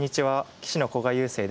棋士の古賀悠聖です。